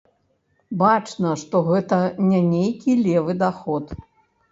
Бачна, што гэта не нейкі левы даход.